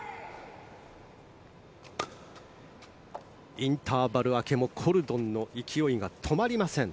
インターバル明けもコルドンの勢いが止まりません。